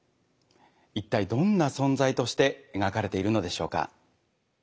一体どんな存在として描かれているのでしょうか。